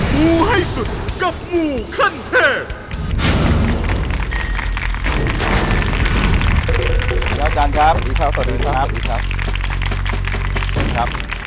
สวัสดีครับอาจารย์ครับสวัสดีครับ